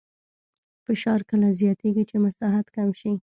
فشار کله زیاتېږي چې مساحت کم شي.